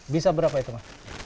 bisa berapa itu ma